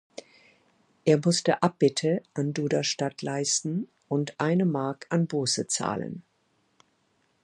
Es musste Abbitte an Duderstadt leisten und eine Mark an Buße zahlen.